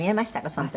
その時。